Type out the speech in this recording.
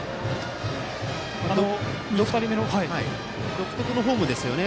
独特のフォームですよね。